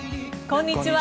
こんにちは。